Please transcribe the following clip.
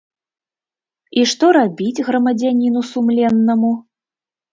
І што рабіць грамадзяніну сумленнаму?